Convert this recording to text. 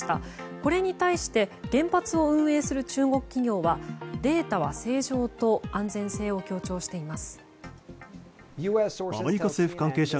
これに対して原発を運営する中国企業はデータは正常と安全性を強調しています。